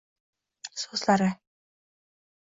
so’zlari.